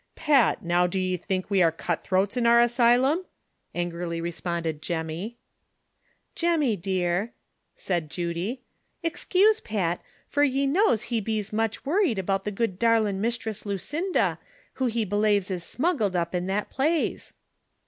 "Pat, now do ye think we are cut throats in our asy lum?" angrily responded Jemmy. " Jeminy, dear," said Judy, "excuse Pat, fur ye knows he bees much worred aboot the good darlin' Mishtress Lu cinda, who he belaves is smuggled up in that plaze."